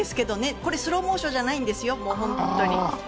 これ、スローモーションじゃないんですよ。